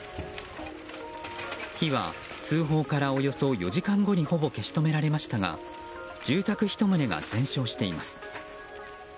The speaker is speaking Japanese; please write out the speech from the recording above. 火は通報からおよそ４時間後にほぼ消し止められましたが住宅１棟が全焼しています。